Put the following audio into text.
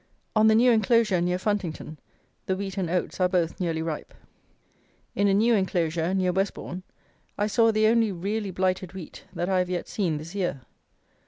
On the new enclosure, near Funtington, the wheat and oats are both nearly ripe. In a new enclosure, near Westbourn, I saw the only really blighted wheat that I have yet seen this year.